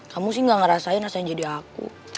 kamu sih ga ngerasain rasanya jadi aku